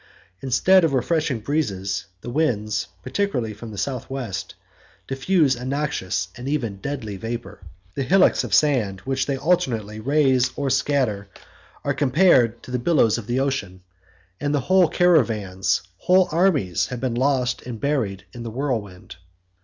Instead of refreshing breezes, the winds, particularly from the south west, diffuse a noxious and even deadly vapor; the hillocks of sand which they alternately raise and scatter, are compared to the billows of the ocean, and whole caravans, whole armies, have been lost and buried in the whirlwind.